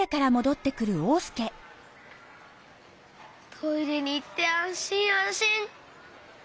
トイレにいってあんしんあんしん。